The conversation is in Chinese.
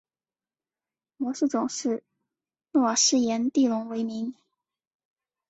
模式种是诺瓦斯颜地龙为名。